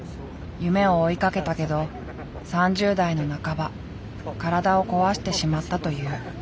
夢を追いかけたけど３０代の半ば体を壊してしまったという。